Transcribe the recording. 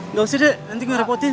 nggak usah dek nanti gue repotin